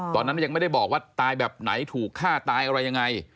ตอนนั้นยังไม่ได้บอกว่าตายแบบไหนถูกฆ่าตายอะไรยังไง